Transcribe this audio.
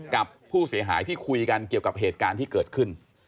กับผู้เสียหายที่คุยกันเกี่ยวกับเหตุการณ์ที่เกิดขึ้น